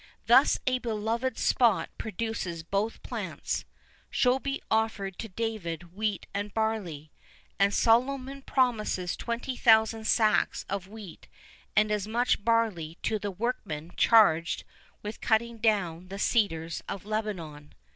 Thus a beloved spot produces both these plants:[V 5] Shobi offered to David wheat and barley;[V 6] and Solomon promises twenty thousand sacks of wheat and as much barley to the workmen charged with cutting down the cedars of Lebanon.